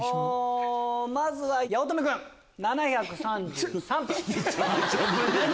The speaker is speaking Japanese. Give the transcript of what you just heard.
まずは八乙女君７３３分。